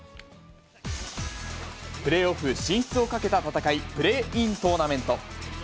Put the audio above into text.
プレーオフ進出をかけた戦い、プレーイントーナメント。